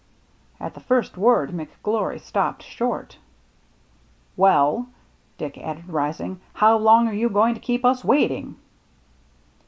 At the first word McGlory stopped short. " Well," Dick added, rising, " how long are you going to keep us waiting?